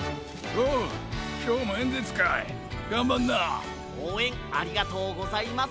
おうえんありがとうございます。